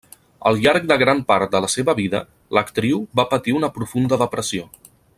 Al llarg de gran part de la seva vida, l'actriu va patir una profunda depressió.